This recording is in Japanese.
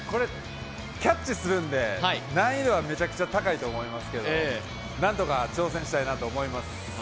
キャッチするんで、難易度はめちゃくちゃ高いと思いますけど何とか挑戦したいなと思います。